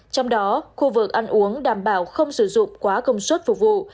trong đó khu vực ăn uống đảm bảo không sử dụng quá công suất phục vụ